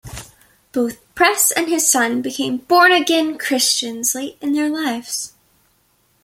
Both "Press" and his son became born-again Christians late in their lives.